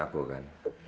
mas kevin aku kan